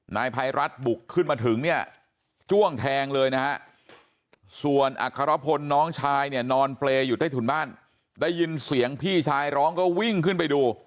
นายภัยรัฐบุกขึ้นมาถึงเนี่ยจ้วงแทงเลยนะฮะส่วนอัครพลน้องชายเนี่ยนอนเปรย์อยู่ใต้ถุนบ้านได้ยินเสียงพี่ชายร้องก็วิ่งขึ้นไปดู